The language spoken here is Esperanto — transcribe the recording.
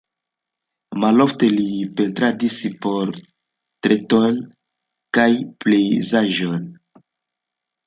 Malofte li pentradis portretojn kaj pejzaĝojn.